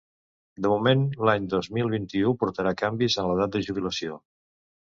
De moment, l’any dos mil vint-i-u portarà canvis en l’edat de jubilació.